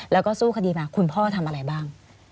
แล้วก็สู้คดีมาคุณพ่อทำอะไรบ้าง